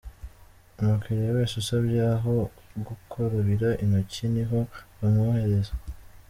Umukiriya wese usabye aho gukarabira intoki ni ho bamwohereza.